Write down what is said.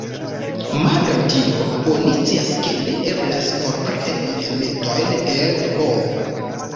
Malgraŭ tio, oni scias ke ne eblas forpreni elementojn el "B".